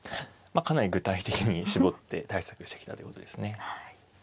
かなり具体的に絞って対策してきたということですね。